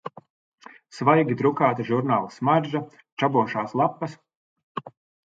Svaigi drukāta žurnāla smarža, čabošās lapas...